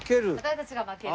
私たちが負ける。